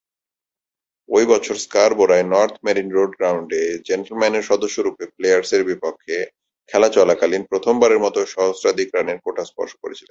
ঐ বছর স্কারবোরায় নর্থ মেরিন রোড গ্রাউন্ডে জেন্টলম্যানের সদস্যরূপে প্লেয়ার্সের বিপক্ষে খেলা চলাকালীন প্রথমবারের মতো সহস্রাধিক রানের কোটা স্পর্শ করেছিলেন।